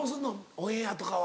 オンエアとかは。